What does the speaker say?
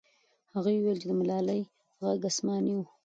هغوی وویل چې د ملالۍ ږغ آسماني و.